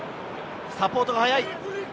サポートが早い！